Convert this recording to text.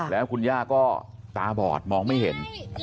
แล้วคุณย่าก็ตาบอดมองไม่เห็น